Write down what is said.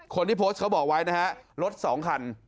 คนที่โพสต์เขาบอกไว้นะฮะรถสองคัน